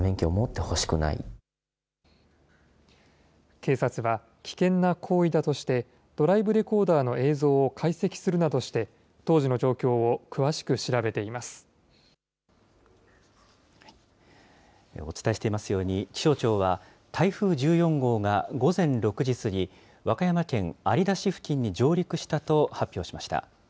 警察は、危険な行為だとして、ドライブレコーダーの映像を解析するなどして、当時の状況を詳しお伝えしていますように、気象庁は台風１４号が午前６時過ぎ、和歌山県有田市付近に上陸したと発表しました。